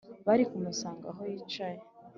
bari kumusanga aho yicaye,